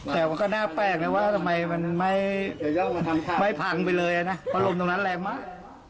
แต่มันก็น่าแปลกนะว่าทำไมมันไม่พังไปเลยนะเพราะลมตรงนั้นแรงมาก